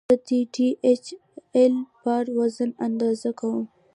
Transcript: زه د ډي ایچ ایل بار وزن اندازه کوم.